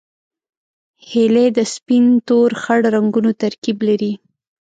هیلۍ د سپین، تور، خړ رنګونو ترکیب لري